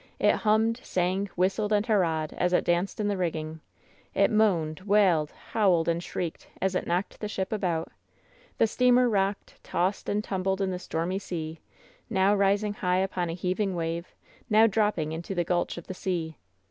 It hummed, sang, whistled and hurrahed, as it danced in the rigging. It moaned, wailed, howled and shrieked, as it knocked the ship about. The steamer rocked, tossed and tumbled in the stormy sea; now rising high upon a heaving wave, now dropping into the gulch of the sea.